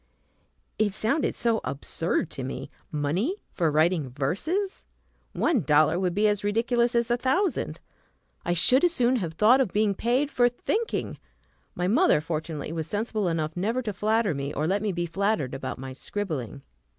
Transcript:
It sounded so absurd to me. Money for writing verses! One dollar would be as ridiculous as a thousand. I should as soon have thought of being paid for thinking! My mother, fortunately, was sensible enough never to flatter me or let me be flattered about my scribbling.